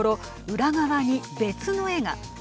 裏側に別の絵が。